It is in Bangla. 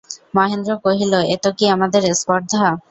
মহেন্দ্র কহিল, এত কি আমাদের স্পর্ধা।